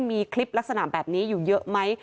มีคลิปลักษณะแบบนี้อยู่เยอะไหม